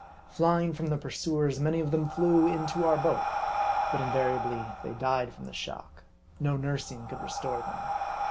Flying from their pursuers, many of them flew into bur boat. But invariably they died from the shock. No nursing could restore them.